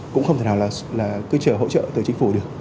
cũng không thể nào là cứ chờ hỗ trợ từ chính phủ được